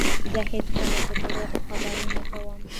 زه هیڅکله په درواغو خبرې نه کوم.